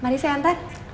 mari saya hantar